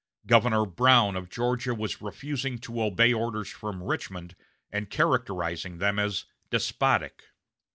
Governor Brown of Georgia was refusing to obey orders from Richmond, and characterizing them as "despotic."